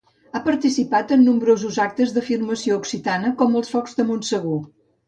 Ha participat en nombrosos actes d'afirmació occitana com els Focs de Montsegur.